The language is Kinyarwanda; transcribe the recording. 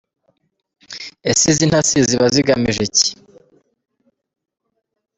Ese izi ntasi ziba zigamije iki?.